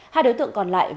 hai đối tượng còn lại vẫn